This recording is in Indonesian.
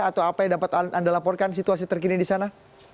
atau apa yang dapat anda laporkan situasi terkini di sana